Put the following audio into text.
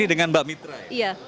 dengan mbak mitra ya